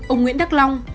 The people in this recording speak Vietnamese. ông nguyễn đắc long